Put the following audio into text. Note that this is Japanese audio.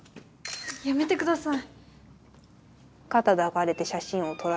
やめてください。